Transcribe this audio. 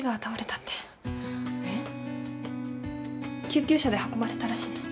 救急車で運ばれたらしいの。